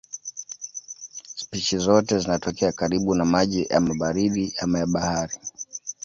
Spishi zote zinatokea karibu na maji ama baridi ama ya bahari.